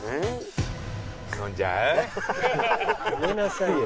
やめなさいよ。